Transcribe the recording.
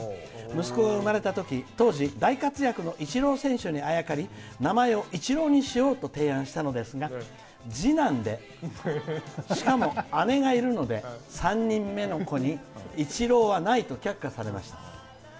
息子が生まれたとき当時、大活躍のイチロー選手にあやかり名前を一郎にしようと提案したのですが次男で、しかも、姉がいるので３人目の子に一郎はないと却下されました。